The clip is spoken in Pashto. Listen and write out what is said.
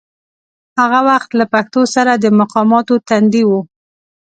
هغه وخت له پښتو سره د مقاماتو تندي و.